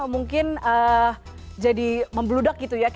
mungkin jadi membludak gitu ya